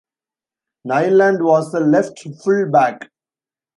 Nylund was a left full back.